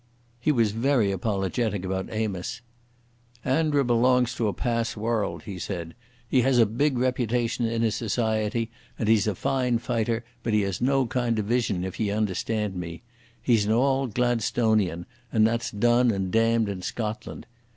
He was very apologetic about Amos. "Andra belongs to a past worrld," he said. "He has a big reputation in his society, and he's a fine fighter, but he has no kind of Vision, if ye understand me. He's an auld Gladstonian, and that's done and damned in Scotland.